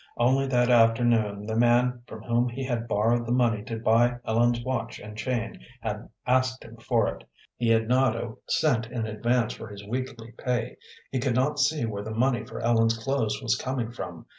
Only that afternoon the man from whom he had borrowed the money to buy Ellen's watch and chain had asked him for it. He had not a cent in advance for his weekly pay; he could not see where the money for Ellen's clothes was coming from.